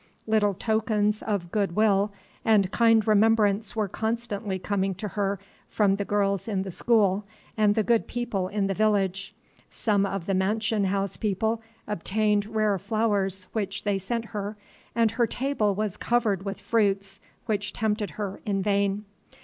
Little tokens of good will and kind remembrance were constantly coming to her from the girls in the school and the good people in the village. Some of the mansion house people obtained rare flowers which they sent her, and her table was covered with fruits which tempted her in vain.